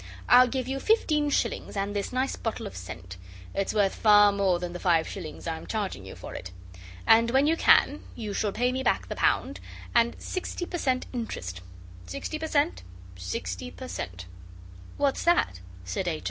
I'll give you fifteen shillings, and this nice bottle of scent. It's worth far more than the five shillings I'm charging you for it. And, when you can, you shall pay me back the pound, and sixty per cent interest sixty per cent, sixty per cent.' 'What's that?' said H.